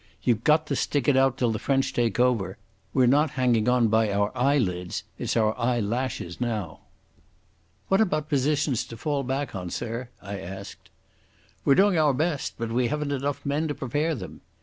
You've got to stick it out till the French take over. We're not hanging on by our eyelids—it's our eyelashes now." "What about positions to fall back on, sir?" I asked. "We're doing our best, but we haven't enough men to prepare them."